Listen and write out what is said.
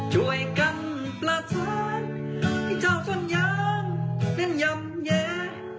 ช่วยกันประชาที่เจ้าส่วนยังนั้นยำแย่